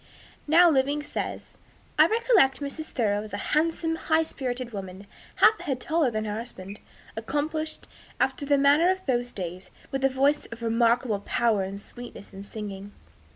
now living, says, "I recollect Mrs. Thoreau as a handsome, high spirited woman, half a head taller than her husband, accomplished, after the manner of those days, with a voice of remarkable power and sweetness in singing."